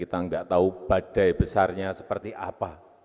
kita memang tidak tahu badai besarnya seperti apa